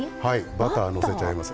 バターをのせちゃいます。